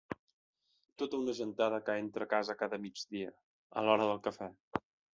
Tota una gentada que entra a casa cada migdia, a l'hora del cafè.